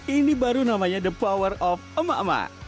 ini baru namanya the power of emak emak